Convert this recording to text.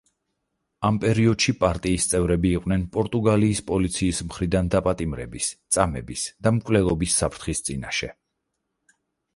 ამ პერიოდში პარტიის წევრები იყვნენ პორტუგალიის პოლიციის მხრიდან დაპატიმრების, წამების და მკვლელობების საფრთხის წინაშე.